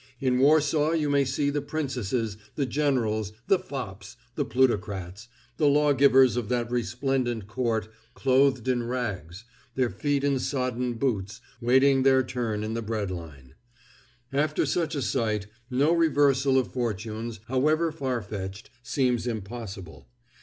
In Warsaw you may see the princesses, the generals, the fops, the plutocrats, the law givers of that resplendent Court, clothed in rags, their feet in sodden boots, waiting their turn in the breadline. After such a sight, no reversal of fortunes, however far fetched, seems impossible.